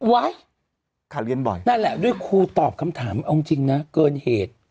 ขาดเรียนบ่อยนั่นแหละด้วยครูตอบคำถามเอาจริงนะเกินเหตุ